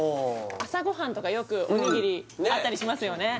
朝ごはんとかよくおにぎりあったりしますよね